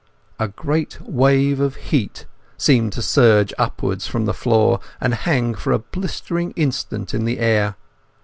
A great wave of heat seemed to surge upwards from the floor, and hang for a blistering instant in the air.